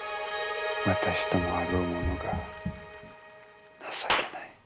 私ともあろうものが情けない。